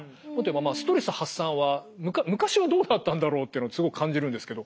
ストレス発散は昔はどうだったんだろうっていうのはすごく感じるんですけど。